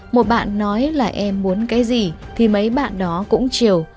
một bạn nói là em muốn cái gì thì mấy bạn đó cũng chiều